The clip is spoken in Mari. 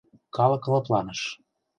Калык лыпланыш.